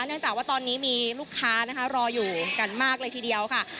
เนื่องจากว่าตอนนี้มีลูกค้านะคะรออยู่กันมากเลยทีเดียวค่ะ